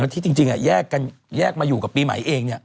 ที่จริงแยกมาอยู่กับปีใหม่เอง